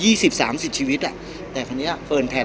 พี่อัดมาสองวันไม่มีใครรู้หรอก